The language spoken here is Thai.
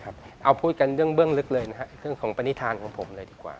เอาพูดกันเรื่องเบื้องลึกเลยนะครับเรื่องของปณิธานของผมเลยดีกว่า